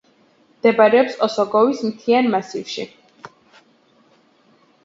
მდებარეობს ოსოგოვოს მთიან მასივში.